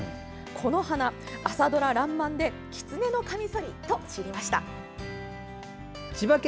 この花は朝ドラ「らんまん」でキツネノカミソリと知りました。